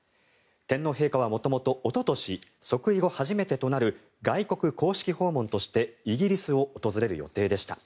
天皇陛下は元々おととし即位後初めてとなる外国公式訪問としてイギリスを訪れる予定でした。